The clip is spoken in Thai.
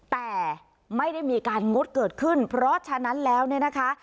แต่ไม่ได้มีการงดเกิดขึ้นเพราะฉะนั้นแล้วเนี่ยนะคะ